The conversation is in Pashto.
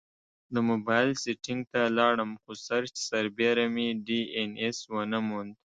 د مبایل سیټینګ ته لاړم، خو سرچ سربیره مې ډي این ایس ونه موند